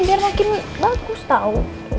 biar makin bagus tau